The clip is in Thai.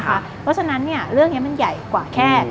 เพราะฉะนั้นเรื่องนี้มันใหญ่กว่าแค่